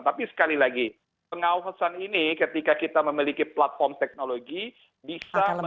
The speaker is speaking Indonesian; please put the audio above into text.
tapi sekali lagi pengawasan ini ketika kita memiliki platform teknologi bisa menggunakan platform teknologi